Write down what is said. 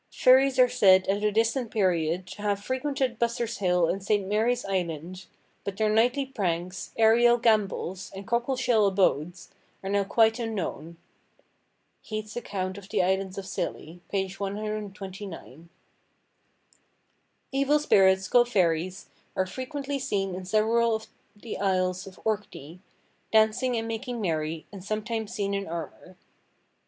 Fairies are said, at a distant period, "to have frequented Bussers–hill in St. Mary's island, but their nightly pranks, aërial gambols, and cockle–shell abodes, are now quite unknown."—(Heath's Account of the Islands of Scilly, p. 129.) "Evil spirits, called fairies, are frequently seen in several of the isles [of Orkney], dancing and making merry, and sometimes seen in armour."